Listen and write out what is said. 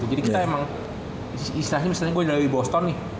jadi kita emang istilahnya misalnya gue dari boston nih